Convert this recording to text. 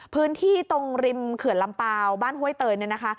พื้นที่ตรงริมเขื่อนลำเปล่าบ้านห้วยเตยเนี่ยนะคะ